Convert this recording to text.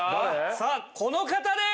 さあこの方です。